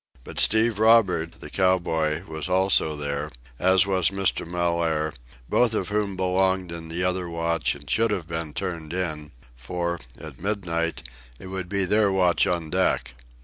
But Steve Roberts, the cow boy, was also there, as was Mr. Mellaire, both of whom belonged in the other watch and should have been turned in; for, at midnight, it would be their watch on deck.